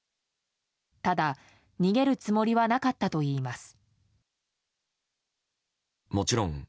ただ、逃げるつもりはなかったといいます。